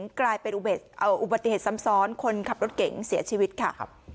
กลายเป็นอุบัติเหตุซ้ำซ้อนคนขับรถเก๋งเสียชีวิตค่ะ